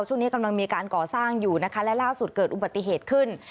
ช่วงนี้กำลังมีการก่อสร้างอยู่นะคะและล่าสุดเกิดอุบัติเหตุขึ้น